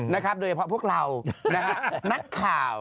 นะครับโดยเฉพาะพวกเรานักข่าว